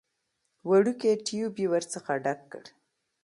وړوکی ټيوب يې ورڅخه ډک کړ.